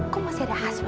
kamu masih ada asma